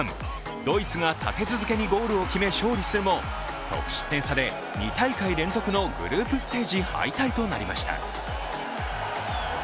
ドイツが立て続けにゴールを決め勝利するも得失点差で２大会連続のグループステージ敗退となりました。